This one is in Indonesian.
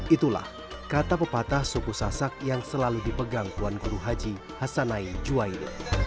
itulah kata pepatah suku sasak yang selalu dipegang tuan guru haji hasanai juwaili